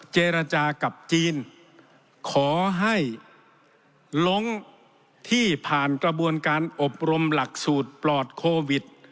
เจรจากับจีนขอให้ลงที่ผ่านกระบวนการอบรมหลักสูตรปลอดโควิด